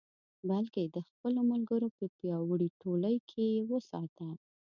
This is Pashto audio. بلکې د خپلو ملګرو په پیاوړې ټولۍ کې یې وساته.